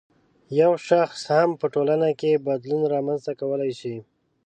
یو شخص هم په ټولنه کې بدلون رامنځته کولای شي